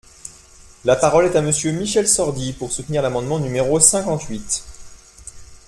La parole est à Monsieur Michel Sordi, pour soutenir l’amendement numéro cinquante-huit.